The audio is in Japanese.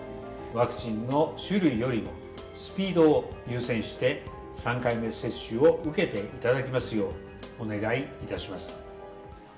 ワクチンの種類よりも、スピードを優先して、３回目接種を受けていただけますよう、お願いいたします。